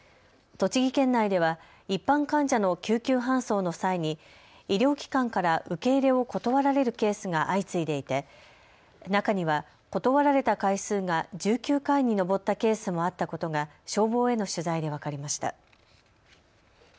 栃木県内では一般患者の救急搬送の際に医療機関から受け入れを断られるケースが相次いでいて中には断られた回数が１９回に上ったケースもあったことが消防への取材で分かりました。